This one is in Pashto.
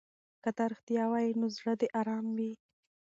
که ته رښتیا ووایې نو زړه دې ارام وي.